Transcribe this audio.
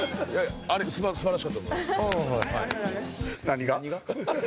素晴らしかったと思います。